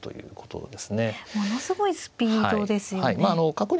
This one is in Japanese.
ものすごいスピードですよね。